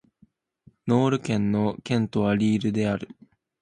ノール県の県都はリールである